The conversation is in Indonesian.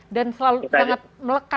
dan selalu sangat melekat